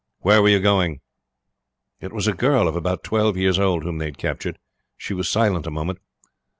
Where were you going?" It was a girl of about twelve years old whom they had captured. She was silent a moment.